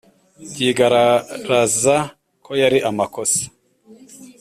byigararaza ko yari amakosa.